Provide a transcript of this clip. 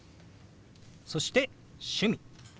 そして「趣味」。